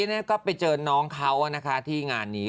นี่ก็ไปเจอน้องเขานะคะที่งานนี้